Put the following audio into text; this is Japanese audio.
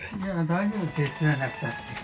大丈夫手伝わなくたって。